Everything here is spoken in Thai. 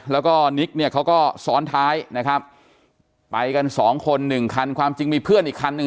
แล้วก็นิกเนี่ยเขาก็ซ้อนท้ายนะครับไปกันสองคนหนึ่งคันความจริงมีเพื่อนอีกคันหนึ่ง